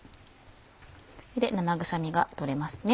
生臭みが取れますね。